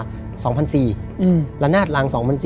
และรรนาจราง๒๐๐๔